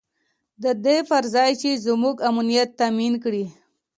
د دې پر ځای چې زموږ امنیت تامین کړي.